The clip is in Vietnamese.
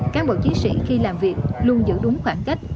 cán bộ chiến sĩ khi làm việc luôn giữ đúng khoảng cách